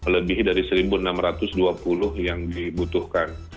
lebih dari satu enam ratus dua puluh yang dibutuhkan